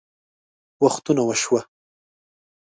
وختونه وشوه